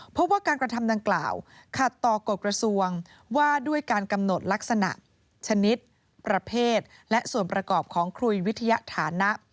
เพราะว่าการกระทำดังกล่าวขัดต่อกฎกระทรวงว่าด้วยการกำหนดลักษณะชนิดประเภทและส่วนประกอบของคุยวิทยาฐานะ